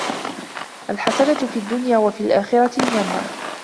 الْحَسَنَةُ فِي الدُّنْيَا وَفِي الْآخِرَةِ الْجَنَّةُ